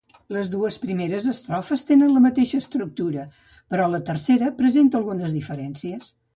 Les dues primeres estrofes tenen la mateixa estructura, però la tercera presenta algunes diferències.